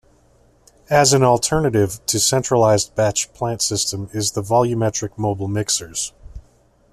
As an alternative to centralized batch plant system is the volumetric mobile mixers.